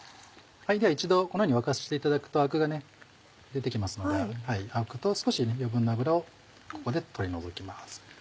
一度このように沸かしていただくとアクが出て来ますのでアクと少し余分な脂をここで取り除きます。